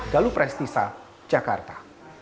galu prestisa jakarta